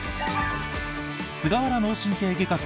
菅原脳神経外科